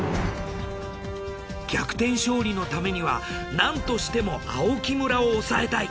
逆転勝利のためにはなんとしても青木村を抑えたい。